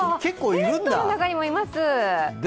テントの中にもいます。